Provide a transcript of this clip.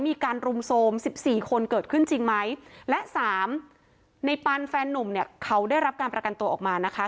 มีการรุมโสม๑๔คนเกิดขึ้นจริงไหมและ๓ในปันแฟนหนุ่มเขาได้รับการประกันตัวออกมานะคะ